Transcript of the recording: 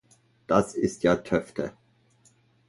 Das ist ja töfte.